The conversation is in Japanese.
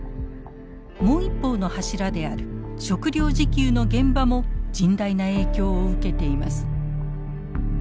もう一方の柱である食料自給の現場も甚大な影響を受けています。